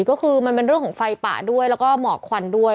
ก็คือมันเป็นเรื่องของไฟป่าด้วยแล้วก็หมอกควันด้วย